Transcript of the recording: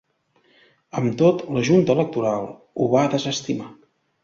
Amb tot, la junta electoral ho va desestimar.